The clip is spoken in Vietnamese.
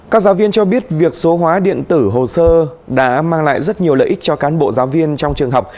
các giáo viên cho biết việc số hóa điện tử hồ sơ đã mang lại rất nhiều lợi ích cho cán bộ giáo viên trong trường học